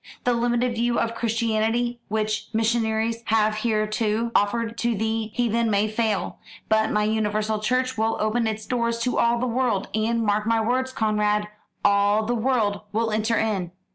The limited view of Christianity which missionaries have hitherto offered to the heathen may fail; but my universal church will open its doors to all the world and, mark my words, Conrad, all the world will enter in.